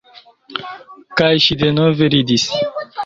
Kaj ŝi denove ridis.